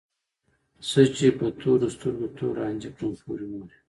زه چې په تورو سترګو تور رانجه کړم پورې مورې